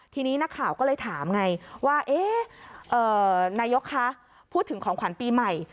ทีนี้นักข่าวก็เลยถามไงว่านายกคะพูดถึงของขวัญปีใหม่